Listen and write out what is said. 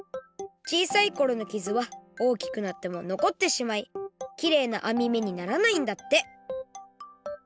小さいころのきずはおおきくなってものこってしまいきれいなあみめにならないんだって。